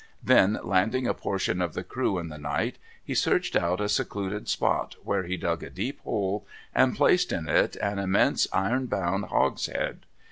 Then landing a portion of the crew in the night, he searched out a secluded spot, where he dug a deep hole, and placed in it an immense iron bound hogshead.